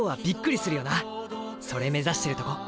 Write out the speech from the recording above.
それ目指してるとこ。